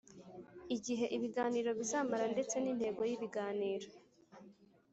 igihe ibiganiro bizamara ndetse n’integoyi biganiro.